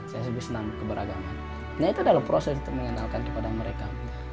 saya sebut senang keberagaman nah itu adalah proses untuk mengandalkan kepada mereka